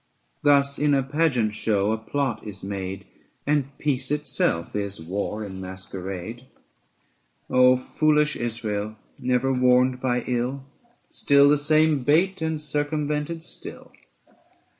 750 Thus in a pageant show a plot is made, And peace itself is war in masquerade. Oh foolish Israel! never warned by ill! Still the same bait, and circumvented still!